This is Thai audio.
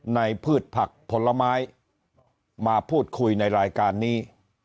พืชผักผลไม้มาพูดคุยในรายการนี้